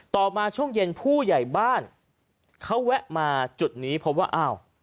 ต่อมาช่วงเย็นผู้ใหญ่บ้านเขาแวะมาจุดนี้พบว่าอ้าว